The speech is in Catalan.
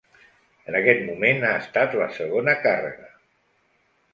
En aquest moment ha estat la segona carrega.